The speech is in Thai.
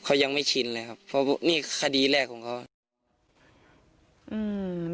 เขายังไม่ชินเลยครับเพราะนี่คดีแรกของเขาอืม